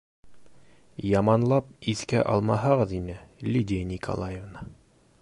- Яманлап иҫкә алмаһағыҙ ине, Лидия Николаевна.